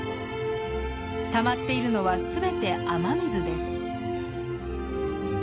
たまっているのは全て雨水です。